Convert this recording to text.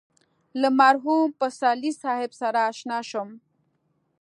له مرحوم پسرلي صاحب سره اشنا شوم.